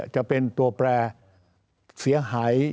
จะเป็นตัวแปรเสียหาย